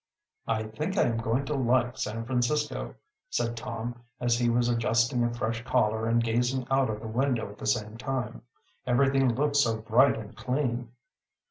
"I think I am going to like San Francisco," said Tom, as he was adjusting a fresh collar and gazing out of the window at the same time. "Everything looks so bright and clean."